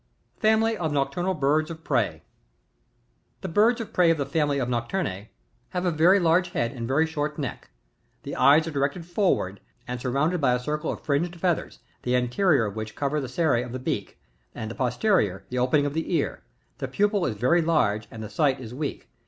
FAMILY OF NOCTURNAL BIRDS OF PREY. 68. The birds of prey of the femily of noctur/ue, have a very large head and a very short neck, {Plate 3, fig. 2. and 5.) ; the eyes are directed forward and surrounded by a circle of fringed feathers, (he anterior of which cover the cere of the beak, and the posterior, the opening of the ear ; the pupil is very large and the sight is weak.